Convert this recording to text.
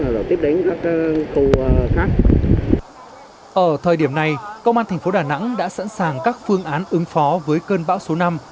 và thứ hai nữa là công an thành phố đà nẵng đã sẵn sàng các phương án ứng phó với cơn bão số năm